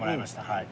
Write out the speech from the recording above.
はい。